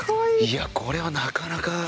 いやこれはなかなか。